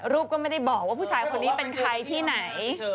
รูปก็ไม่ได้บอกว่าผู้ชายคนนี้เป็นใครที่ไหน